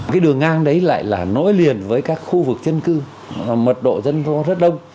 cái đường ngang đấy lại là nối liền với các khu vực dân cư mật độ dân vô rất đông